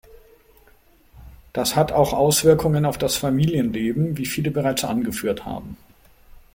Das hat auch Auswirkungen auf das Familienleben, wie viele bereits angeführt haben.